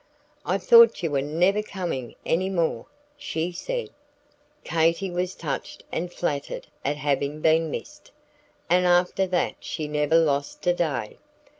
"I thought you were never coming any more," she said. Katy was touched and flattered at having been missed, and after that she never lost a day.